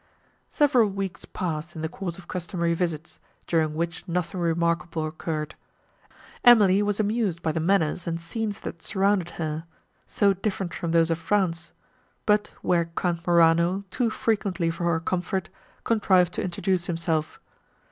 Several weeks passed in the course of customary visits, during which nothing remarkable occurred. Emily was amused by the manners and scenes that surrounded her, so different from those of France, but where Count Morano, too frequently for her comfort, contrived to introduce himself.